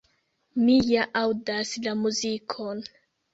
Mi ja aŭdas la muzikon!”.